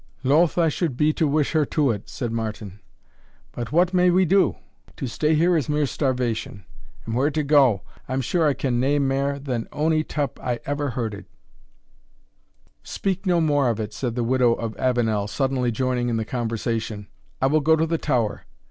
"Loath should I be to wish her to it," said Martin; "but what may we do? to stay here is mere starvation; and where to go, I'm sure I ken nae mair than ony tup I ever herded." "Speak no more of it," said the widow of Avenel, suddenly joining in the conversation, "I will go to the tower.